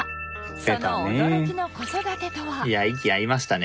その驚きの子育てとは